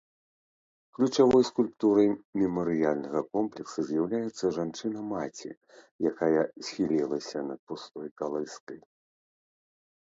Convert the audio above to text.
Ключавой скульптурай мемарыяльнага комплекса з'яўляецца жанчына-маці, якая схілілася над пустой калыскай.